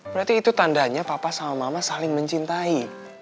berarti itu tandanya papa sama mama saling mencintai